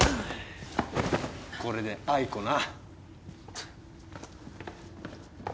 これであいこな。